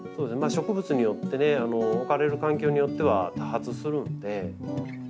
植物によってね置かれる環境によっては多発するので。